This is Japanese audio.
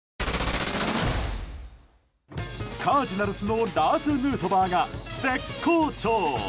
カージナルスのラーズ・ヌートバーが絶好調。